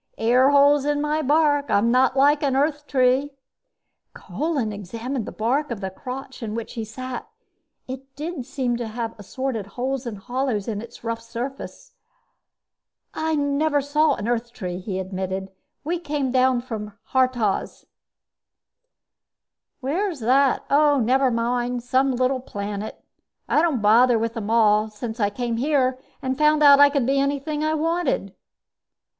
Airholes in my bark I'm not like an Earth tree." Kolin examined the bark of the crotch in which he sat. It did seem to have assorted holes and hollows in its rough surface. "I never saw an Earth tree," he admitted. "We came from Haurtoz." "Where's that? Oh, never mind some little planet. I don't bother with them all, since I came here and found out I could be anything I wanted."